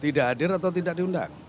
tidak hadir atau tidak diundang